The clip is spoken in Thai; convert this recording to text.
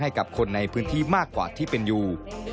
ให้กับคนในพื้นที่มากกว่าที่เป็นอยู่